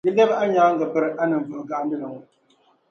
di lɛbi a nyaaŋa biri a ninvuɣu gahindili ŋɔ.